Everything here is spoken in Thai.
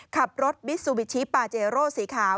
ขับรถมิซูบิชิปาเจโร่สีขาว